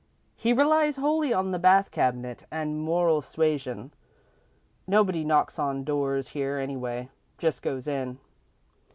He relies wholly on the bath cabinet and moral suasion. Nobody knocks on doors here, anyway just goes in.